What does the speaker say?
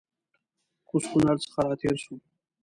کوز کونړ څخه راتېر سوو